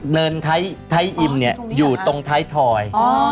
เดินไทยอิ่มอยู่ตรงไทยทร์